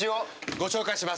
ご紹介します。